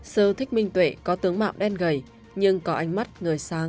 sư thích minh tuệ có tướng mạo đen gầy nhưng có ánh mắt người sáng